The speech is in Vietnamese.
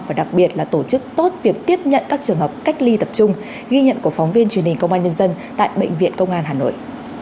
và đặc biệt là tổ chức tốt việc tiếp nhận các trường hợp cách ly tập trung ghi nhận của phóng viên truyền hình công an nhân dân tại bệnh viện công an hà nội